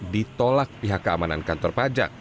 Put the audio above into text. ditolak pihak keamanan kantor pajak